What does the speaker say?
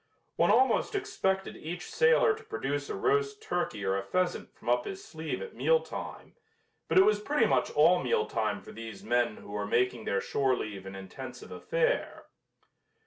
One almost expected each sailor to produce a roast turkey or a pheasant from up his sleeve at meal time, but it was pretty much all meal time for these men who were making their shore leave an intensive affair.